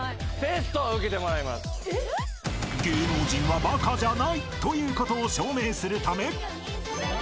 ［「芸能人はバカじゃない」ということを証明するため］